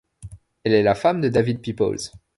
Elle est la femme de David Peoples.